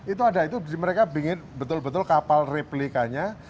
itu ada itu mereka ingin betul betul kapal replikanya